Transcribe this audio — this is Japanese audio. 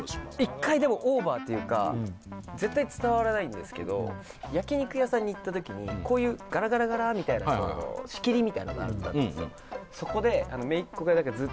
１回でもオーバーっていうか絶対伝わらないんですけど焼肉屋さんに行った時にこういうガラガラガラみたいな仕切りみたいなのがあったんですよ